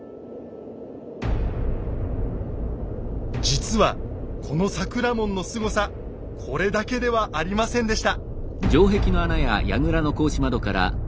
実はこの桜門のすごさこれだけではありませんでした。